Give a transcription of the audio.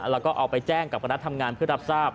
แล้วก็เอาไปแจ้งกับคณะทำงานเพื่อรับทราบ